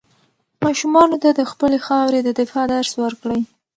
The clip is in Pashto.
ماشومانو ته د خپلې خاورې د دفاع درس ورکړئ.